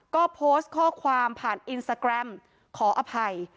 ก็โพสต์ข้อความผ่านอินสตาแกรมขออภัย